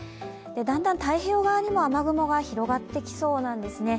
だんだん太平洋側にも雨雲が広がってきそうなんですね。